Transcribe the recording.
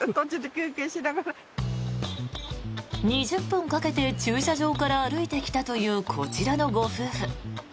２０分かけて駐車場から歩いてきたというこちらのご夫婦。